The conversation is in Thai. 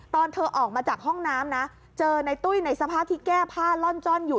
ตอนเธอออกมาจากห้องน้ำนะเจอในตุ้ยในสภาพที่แก้ผ้าล่อนจ้อนอยู่